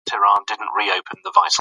ټولنیز جوړښت پر اړیکو ولاړ وي.